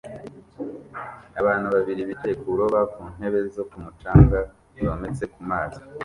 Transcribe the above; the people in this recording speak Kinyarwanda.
Abantu babiri bicaye kuroba ku ntebe zo ku mucanga zometse ku mazi